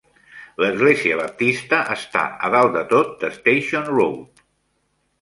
L'església baptista està a dalt de tot de Station Road.